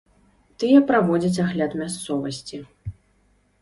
Тыя праводзяць агляд мясцовасці.